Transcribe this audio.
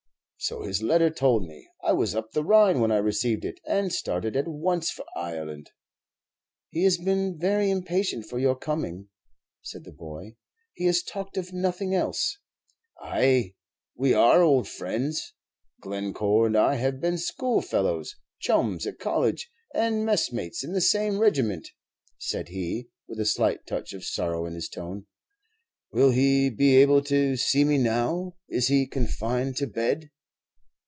"So his letter told me. I was up the Rhine when I received it, and started at once for Ireland." "He has been very impatient for your coming," said the boy; "he has talked of nothing else." "Ay, we are old friends. Glencore and I have been schoolfellows, chums at college, and messmates in the same regiment," said he, with a slight touch of sorrow in his tone. "Will he be able to see me now? Is he confined to bed?"